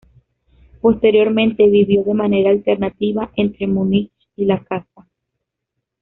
Posteriormente vivió de manera alternativa entre Munich y la casa.